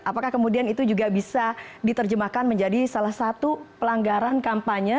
apakah kemudian itu juga bisa diterjemahkan menjadi salah satu pelanggaran kampanye